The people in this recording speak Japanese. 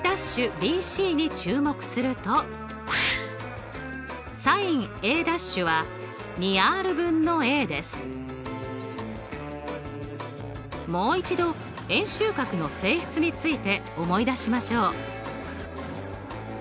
’ＢＣに注目するともう一度円周角の性質について思い出しましょう。